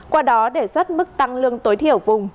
qua đó đề xuất mức tăng lương tối thiểu vùng